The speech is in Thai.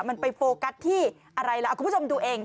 มันไปโฟกัสที่อะไรล่ะคุณผู้ชมดูเอง